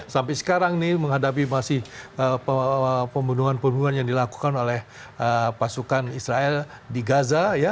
sampai sekarang nih menghadapi masih pembunuhan pembunuhan yang dilakukan oleh pasukan israel di gaza ya